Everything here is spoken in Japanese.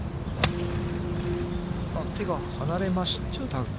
手が離れましたが。